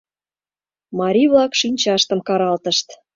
Марий-влак шинчаштым каралтышт.